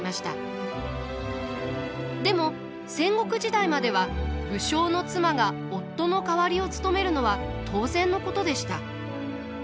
でも戦国時代までは武将の妻が夫の代わりを務めるのは当然のことでした。